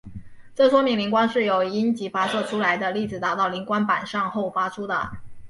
这说明磷光是由阴极发射出来的粒子打到磷光板上后发出的。